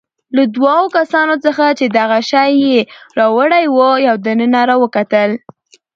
له دوو کسانو څخه چې دغه شی يې راوړی وو، یو دننه راوکتل.